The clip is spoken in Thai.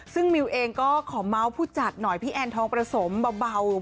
ซึ่งมิวเองก็ขอเมาส์ผู้จัดหน่อยพี่แอนทองประสมเบา